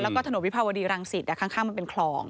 แล้วก็ถนนวิภาวดีรังสิตข้างมันเป็นคลอง